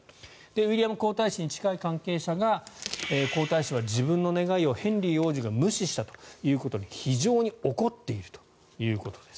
ウィリアム皇太子に近い関係者が皇太子は自分の願いをヘンリー王子が無視したということで非常に怒っているということです。